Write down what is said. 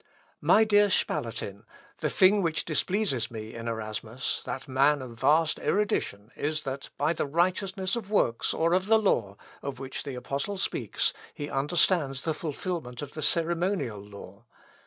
"My dear Spalatin, the thing which displeases me in Erasmus, that man of vast erudition, is, that by the righteousness of works or of the law, of which the apostle speaks, he understands the fulfilment of the ceremonial law.